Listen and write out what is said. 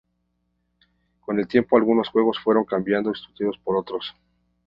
Con el tiempo, algunos juegos fueron cambiados y sustituidos por otros.